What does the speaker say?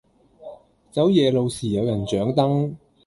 走夜路時有人掌燈